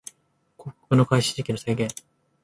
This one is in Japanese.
広告の開始時期の制限